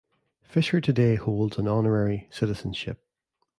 Fischer today holds an honorary citizenship.